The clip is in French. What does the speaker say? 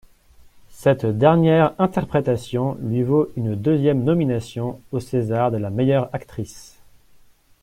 Cette dernière interprétation lui vaut une deuxième nomination au César de la meilleure actrice.